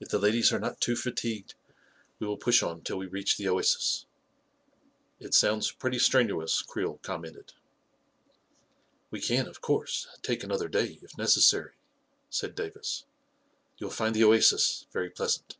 If the ladies are not too fatigued, we will push on till we reach the oasis/' 11 It sounds pretty strenuous," Creel commented. u We can, of course, take another day, if neces sary," said Davis. li You will find the oasis very pleasant."